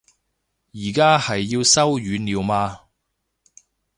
而家係要收語料嘛